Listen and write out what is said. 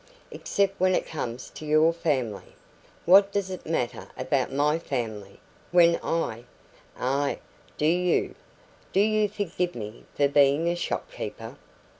"Except when it comes to your family " "What does it matter about my family when I " "Ah, do you? Do you forgive me for being a shopkeeper?"